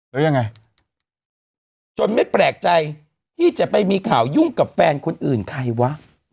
แล้วยังไงจนไม่แปลกใจที่จะไปมีข่าวยุ่งกับแฟนคนอื่นใครวะ